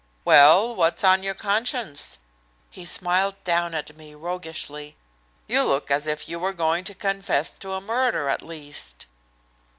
"Well, what's on your conscience?" He smiled down at me roguishly. "You look as if you were going to confess to a murder at least."